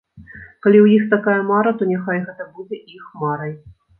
Калі ў іх такая мара, то няхай гэта будзе іх марай.